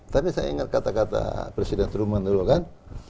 tapi saya ingat kata kata presiden trump dulu kan